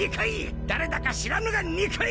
誰だか知らぬが憎い！